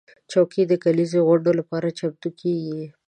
چوکۍ د کليزو غونډو لپاره چمتو کېږي.